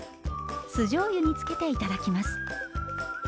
酢じょうゆにつけて頂きます。